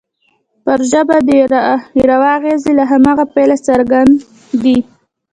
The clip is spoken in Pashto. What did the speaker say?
پر ژبه د اروا اغېز له هماغه پیله څرګند دی